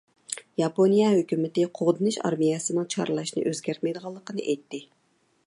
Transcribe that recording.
ياپونىيە ھۆكۈمىتى قوغدىنىش ئارمىيەسىنىڭ چارلاشنى ئۆزگەرتمەيدىغانلىقىنى ئېيتتى.